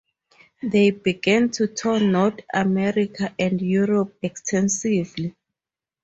They began to tour North America and Europe extensively.